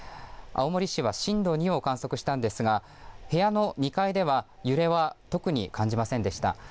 青森市は震度２を観測したんですが部屋の２階では揺れは特に感じませんでした。